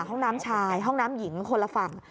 ห้องน้ำชายห้องน้ำหญิงคนละฝั่ง